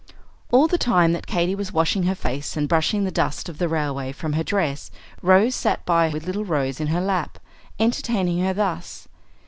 All the time that Katy was washing her face and brushing the dust of the railway from her dress, Rose sat by with the little Rose in her lap, entertaining her thus.